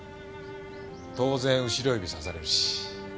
当然後ろ指指されるし。